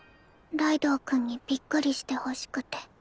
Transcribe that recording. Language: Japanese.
ライドウ君にびっくりしてほしくて。